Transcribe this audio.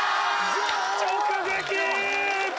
直撃！